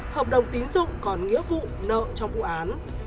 hợp đồng tín dụng còn nghĩa vụ nợ trong vụ án